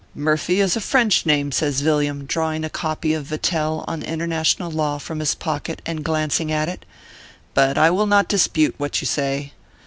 "Murphy is a French name/ says Villiam, draw ing a copy of Yattel on International Law from his pocket and glancing at it, " but I will not dispute what you say.